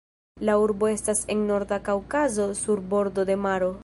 La urbo estas en Norda Kaŭkazo sur bordo de maro.